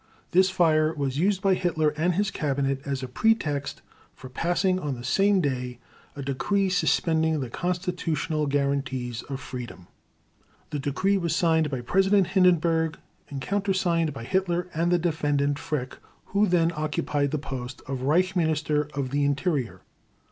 This fire was used by Hitler and his Cabinet as a pretext for passing on the same day a decree suspending the constitutional guarantees of freedom. The decree was signed by President Hindenburg and countersigned by Hitler and the Defendant Frick, who then occupied the post of Reich Minister of the Interior.